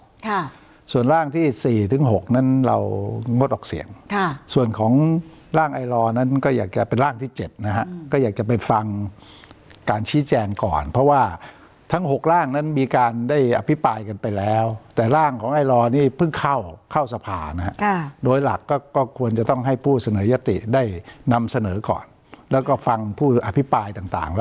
ค่ะส่วนร่างที่สี่ถึงหกนั้นเรางดออกเสียงค่ะส่วนของร่างไอลอนั้นก็อยากจะเป็นร่างที่เจ็ดนะฮะก็อยากจะไปฟังการชี้แจงก่อนเพราะว่าทั้งหกร่างนั้นมีการได้อภิปรายกันไปแล้วแต่ร่างของไอลอนี่เพิ่งเข้าเข้าสภานะฮะค่ะโดยหลักก็ก็ควรจะต้องให้ผู้เสนอยติได้นำเสนอก่อนแล้วก็ฟังผู้อภิปรายต่างแล้ว